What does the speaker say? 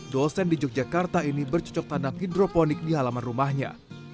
dosen di yogyakarta ini bercocok tanam hidroponik di halaman rumahnya